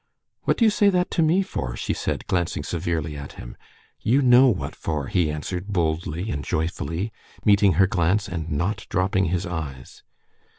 "What do you say that to me for?" she said, glancing severely at him. "You know what for," he answered boldly and joyfully, meeting her glance and not dropping his eyes.